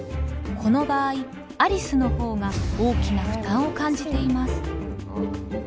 この場合アリスの方が大きな負担を感じています。